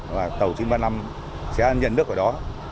và tàu chín trăm ba mươi năm sẽ nhận nước ở đó